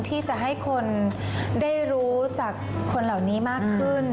ที่จะให้คนได้รู้จักคนเหล่านี้มากขึ้น